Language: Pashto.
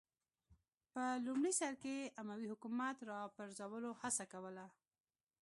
په لومړي سر کې اموي حکومت راپرځولو هڅه کوله